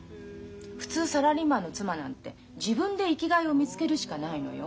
普通サラリーマンの妻なんて自分で生きがいを見つけるしかないのよ。